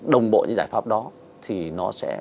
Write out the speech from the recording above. đồng bộ giải pháp đó thì nó sẽ